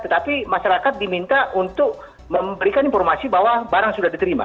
tetapi masyarakat diminta untuk memberikan informasi bahwa barang sudah diterima